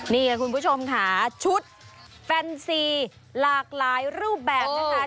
นี่ไงคุณผู้ชมค่ะชุดแฟนซีหลากหลายรูปแบบนะคะ